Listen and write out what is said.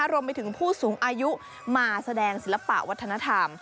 รวมไปถึงผู้สูงอายุมาแสดงศิลปะวัฒนธรรม